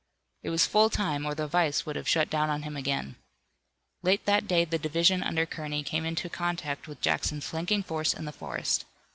It was full time or the vise would have shut down on him again. Late that day the division under Kearney came into contact with Jackson's flanking force in the forest.